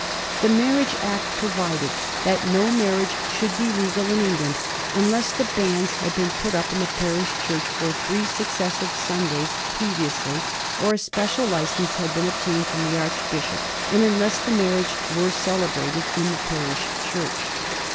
The Mar riage Act provided that no marriage should be legal in England unless the banns had been put up in the parish church for three successive Sundays previously, or a spe cial license had been obtained from the archbishop, and unless the marriage were celebrated in the parish church.